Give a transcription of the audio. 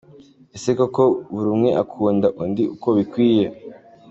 Ese koko buri umwe akunda undi uko bikwiye.